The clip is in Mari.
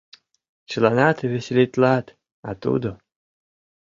«Чыланат веселитлат, а тудо...»